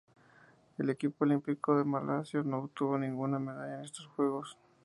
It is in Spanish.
El equipo olímpico malasio no obtuvo ninguna medalla en estos Juegos.